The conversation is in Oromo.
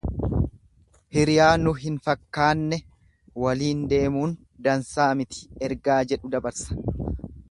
Hiriyaa nu hin fakkaanne waliin deemuun dansaa miti ergaa jedhu dabarsa.